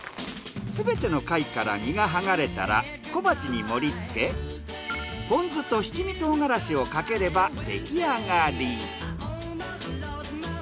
すべての貝から身がはがれたら小鉢に盛りつけポン酢と七味唐辛子をかければ出来上がり。